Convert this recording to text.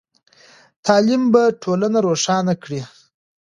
تعلیم به ټولنه روښانه کړئ.